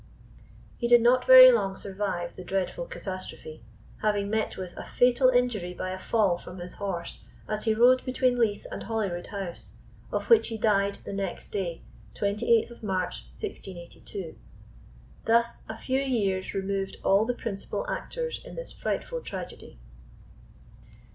He did not very long survive the dreadful catastrophe, having met with a fatal injury by a fall from his horse, as he rode between Leith and Holyrood House, of which he died the next day, 28th March 1682. Thus a few years removed all the principal actors in this frightful tragedy.